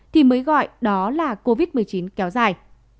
thì mới gọi đó là covid một mươi chín kéo dài